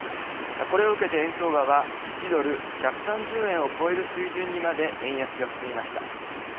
これを受けて円相場は１ドル１３０円を超える水準にまで円安が進みました。